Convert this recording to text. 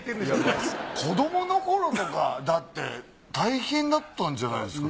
子どものころとかだって大変だったんじゃないですか？